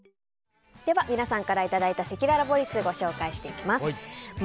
では皆さんからいただいたせきららボイスご紹介していきます。